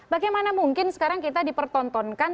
bagaimana mungkin sekarang kita dipertontonkan